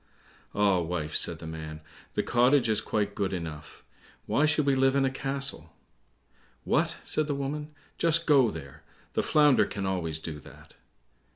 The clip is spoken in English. "Ah, wife," said the man, "the cottage is quite good enough; why should we live in a castle?" "What!" said the woman; "just go there, the Flounder can always do that."